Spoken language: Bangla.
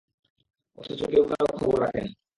অথচ কেউ কারো খবর রাখে না।